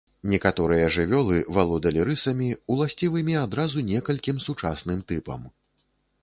Некаторыя жывёлы, валодалі рысамі, уласцівымі адразу некалькім сучасным тыпам.